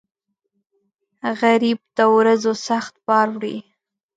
غریب د ورځو سخت بار وړي